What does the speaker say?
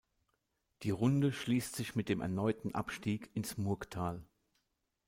Die Runde schließt sich mit dem erneuten Abstieg ins Murgtal.